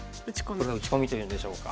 これは打ち込みというんでしょうか。